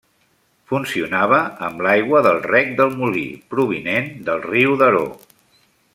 Funcionava amb l'aigua del Rec del Molí, provinent del riu Daró.